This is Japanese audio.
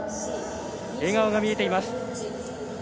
笑顔が見えています。